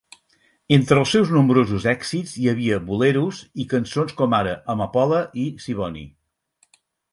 Entre els seus nombrosos èxits hi havia boleros i cançons com ara "Amapola" i "Siboney".